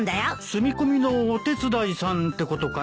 住み込みのお手伝いさんってことかい？